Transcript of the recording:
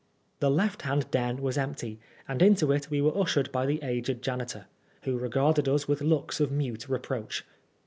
The left hand den was empty, and into it we were ushered by the aged janitor, who regarded us with looks of mute reproach.